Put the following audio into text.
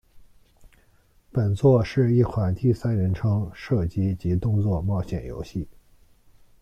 本作是一款第三人称射击及动作冒险游戏。